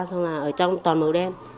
xong là ở trong toàn màu đen